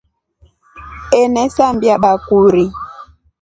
Enasambia bakuri.